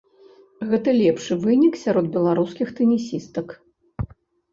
Гэта лепшы вынік сярод беларускіх тэнісістак.